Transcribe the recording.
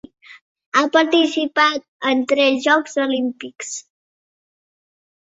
Ha participat en tres Jocs Olímpics.